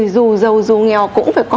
dù giàu dù nghèo cũng phải có